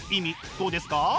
どうですか？